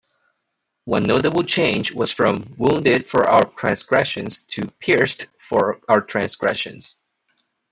One notable change was from "wounded for our transgressions" to "pierced for our transgressions".